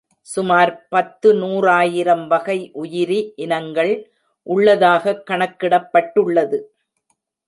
சுமார் பத்துநூறாயிரம் வகை உயிரி இனங்கள் உள்ளதாகக் கணக்கிடப்பட் டுள்ளது.